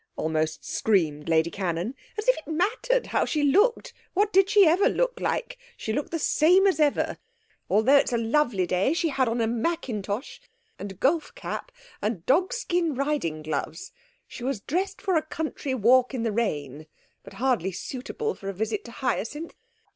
almost screamed Lady Cannon. 'As if it mattered how she looked! What did she ever look like? She looked the same as ever. Although it's a lovely day, she had on a mackintosh and a golf cap and dogskin riding gloves. She was dressed for a country walk in the rain, but hardly suitable for a visit to Hyacinth.